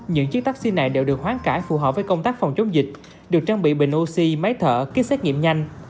những chiếc taxi này đều được hoán cải phù hợp với công tác phòng chống dịch được trang bị bình oxy máy thở kích xét nghiệm nhanh